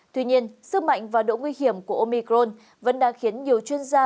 tuy nhiên sức mạnh và độ nguy hiểm của omicron vẫn đang khiến nhiều chuyên gia